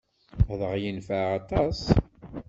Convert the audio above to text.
Adeg-a yenfeɛ aṭas.